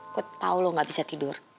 kok tau lo gak bisa tidur